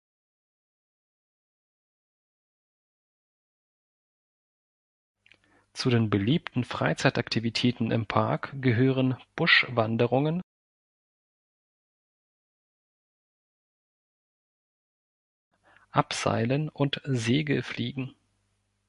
Zu den beliebten Freizeitaktivitäten im Park gehören Buschwanderungen, Abseilen und Segelfliegen.